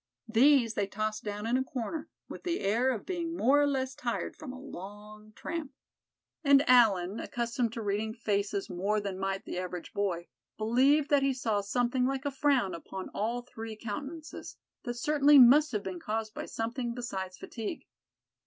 These they tossed down in a corner, with the air of being more or less tired from a long tramp. And Allan, accustomed to reading faces more than might the average boy, believed that he saw something like a frown upon all three countenances, that certainly must have been caused by something besides fatigue.